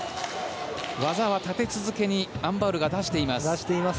技は立て続けにアン・バウルが出しています。